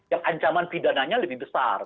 yang ancaman pidananya lebih besar